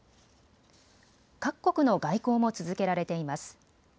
各国の外交も続けられています。